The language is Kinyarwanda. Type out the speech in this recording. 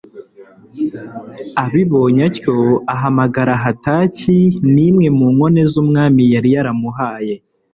abibonye atyo ahamagara Hataki n imwe mu nkone z umwami yari yaramuhaye